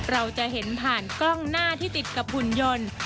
เราจะเห็นผ่านกล้องหน้าที่ติดกับหุ่นยนต์